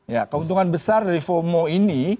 ya keuntungan besar dari fomo ini